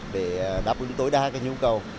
để đáp ứng tối đa nhu cầu